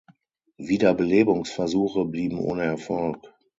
Wiederbelebungsversuche blieben ohne Erfolg.